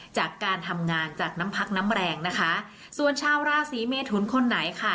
จากการทำงานจากน้ำพักน้ำแรงนะคะส่วนชาวราศีเมทุนคนไหนค่ะ